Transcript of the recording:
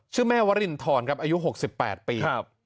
ชื่อแม่วรินทรครับอายุ๖๘ปี